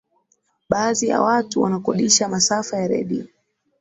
baadhi ya watu wanakodisha masafa ya redio